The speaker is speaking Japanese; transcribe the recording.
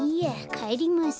かえります。